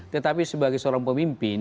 tetapi sebagai seorang pemimpin